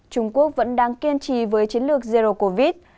trung quốc vẫn đang kiên trì với chiến lược zero covid